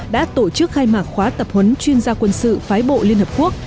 đã tổ chức khai mạc khóa tập huấn chuyên gia quân sự phái bộ liên hợp quốc